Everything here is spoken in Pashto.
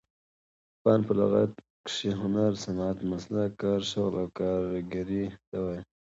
فن په لغت کښي هنر، صنعت، مسلک، کار، شغل او کاریګرۍ ته وايي.